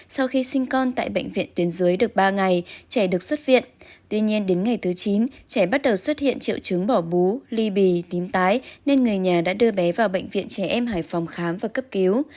sau khi sinh con tại bệnh viện tuyến dưới được ba ngày trẻ được xuất viện tuy nhiên đến ngày thứ chín trẻ bắt đầu xuất hiện triệu chứng bỏ bú ly bì tím tái nên người nhà đã đưa bé vào bệnh viện trẻ em hải phòng khám và cấp cứu